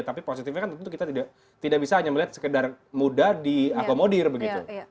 tapi positifnya kan tentu kita tidak bisa hanya melihat sekedar mudah diakomodir begitu